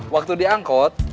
waktu di angkot